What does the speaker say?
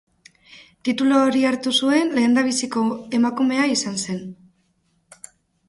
Titulu hori hartu zuen lehendabiziko emakumea izan zen.